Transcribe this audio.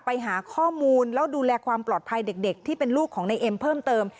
ไปหาข้อมูลแล้วดูแลความปลอดภัยเด็กที่เป็นลูกของนายเอ็มเพิ่มเติม